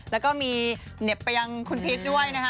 แล้วก็มีเหน็บไปยังคุณพีชด้วยนะคะ